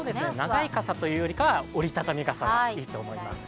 長い傘というよりは折り畳み傘がいいと思います。